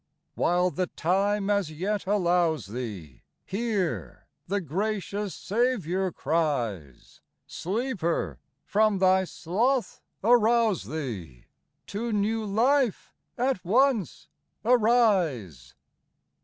While the time as yet allows thee, Hear ; the gracious Saviour cries, —" Sleeper, from thy sloth arouse thee, To new life at once arise